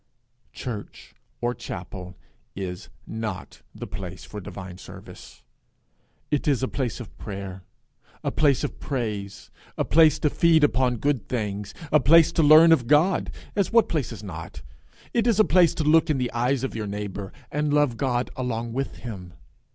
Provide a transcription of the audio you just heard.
Church or chapel is not the place for divine service. It is a place of prayer, a place of praise, a place to feed upon good things, a place to learn of God, as what place is not? It is a place to look in the eyes of your neighbour, and love God along with him.